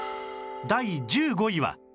第１５位は